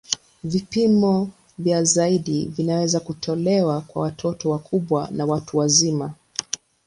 Vipimo vya ziada vinaweza kutolewa kwa watoto wakubwa na watu wazima.